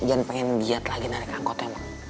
ian pengen giat lagi narik angkotnya mak